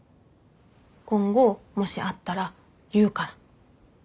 今後もしあったら言うから。